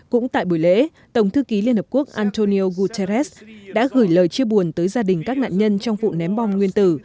cũng tại buổi lễ tổng thư ký liên hợp quốc antonio guterres đã gửi lời chia buồn tới gia đình các nạn nhân trong vụ ném bom nguyên tử